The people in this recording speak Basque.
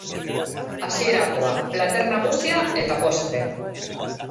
Hasierakoa, plater nagusia eta postrea.